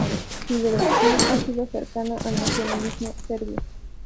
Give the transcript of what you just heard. Su dirección ha sido cercana al nacionalismo serbio.